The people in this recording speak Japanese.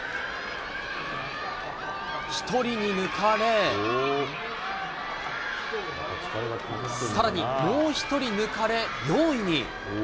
１人に抜かれ、さらに、もう１人抜かれ４位に。